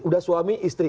udah suami istri